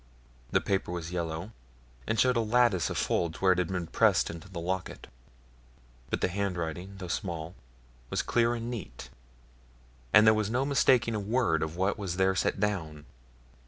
The paper was yellow, and showed a lattice of folds where it had been pressed into the locket; but the handwriting, though small, was clear and neat, and there was no mistaking a word of what was there set down.